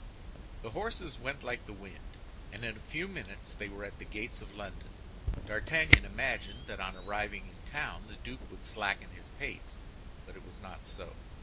The horses went like the wind, and in a few minutes they were at the gates of London. D'Artagnan imagined that on arriving in town the duke would slacken his pace, but it was not so.